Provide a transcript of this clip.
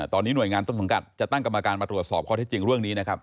ตอนนี้หน่วยงานต้นสังกัดจะตั้งกรรมการมาตรวจสอบข้อที่จริงเรื่องนี้นะครับ